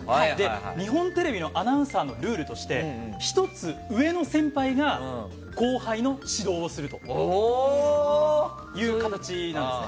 日本テレビのアナウンサーのルールとして１つ上の先輩が後輩の指導をする形なんですね。